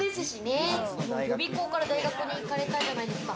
予備校から大学に行かれたじゃないですか。